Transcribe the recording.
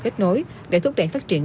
kết nối để thúc đẩy phát triển